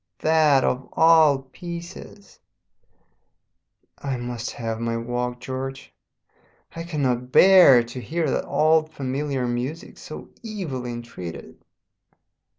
"That of all pieces! "I must have my walk, George. I cannot bear to hear that old familiar music so evilly entreated.